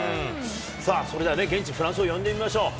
さあ、それでは現地フランスを呼んでみましょう。